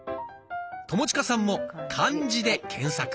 友近さんも「漢字」で検索。